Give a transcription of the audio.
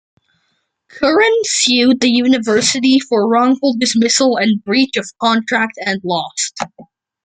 Curran sued the University for wrongful dismissal and breach of contract and lost.